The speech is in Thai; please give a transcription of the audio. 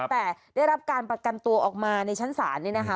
แต่ได้รับการประกันตัวออกมาในชั้นศาลนี่นะคะ